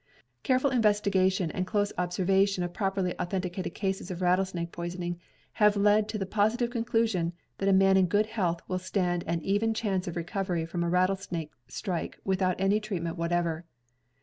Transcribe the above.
Careful investigation and close observation of properly authenticated cases of rattlesnake poisoning have led to the positive conclusion that a man in good general health will stand an even chance of recovery from a rattlesnake strike without any treatment whatever.